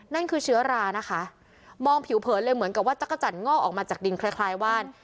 คือเชื้อรานะคะมองผิวเผินเลยเหมือนกับว่าจักรจันทงอกออกมาจากดินคล้ายคล้ายว่าน